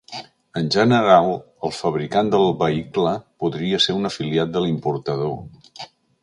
En general, el fabricant del vehicle podria ser un afiliat de l'importador.